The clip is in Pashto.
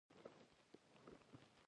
یا دوی خپلې ګټې